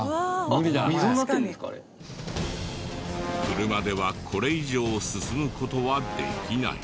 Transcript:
車ではこれ以上進む事はできない。